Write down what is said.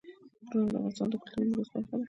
غرونه د افغانستان د کلتوري میراث برخه ده.